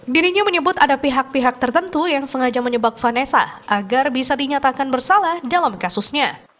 dirinya menyebut ada pihak pihak tertentu yang sengaja menyebak vanessa agar bisa dinyatakan bersalah dalam kasusnya